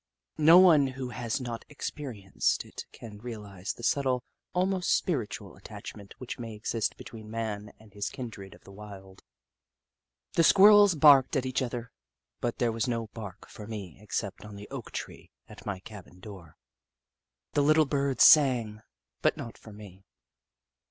No one who has not experienced it can realise the subtle, almost spiritual attachment which may exist between man and his kindred of the wild. The Squirrels barked at each other, but there was no bark for me except on the oak tree at my cabin door. The little Birds sang, but not for me.